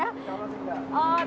kalau sih nggak